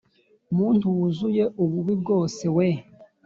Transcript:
muntu wuzuye ububi bwose we!